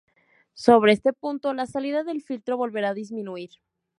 Sobre este punto, la salida del filtro volverá a disminuir.